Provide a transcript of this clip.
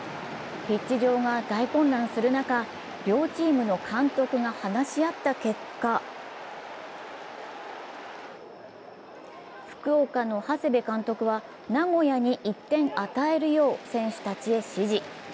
ピッチ上が大混乱する中、両チームの監督が話し合った結果、福岡の長谷部監督は名古屋に１点与えるよう選手たちに指示。